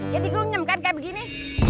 jadi kelenyam kan kayak begini